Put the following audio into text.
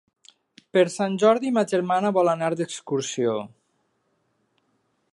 Per Sant Jordi ma germana vol anar d'excursió.